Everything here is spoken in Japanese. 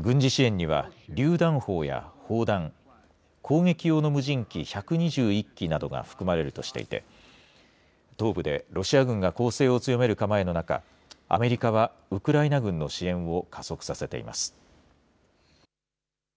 軍事支援には、りゅう弾砲や砲弾、攻撃用の無人機１２１機などが含まれるとしていて、東部でロシア軍が攻勢を強める構えの中、アメリカはウクライナ軍の支援を加速させています。